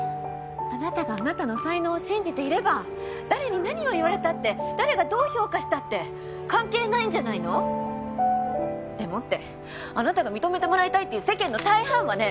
あなたがあなたの才能を信じていれば誰に何を言われたって誰がどう評価したって関係ないんじゃないの？でもってあなたが認めてもらいたいっていう世間の大半はね